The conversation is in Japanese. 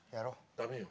ダメよ。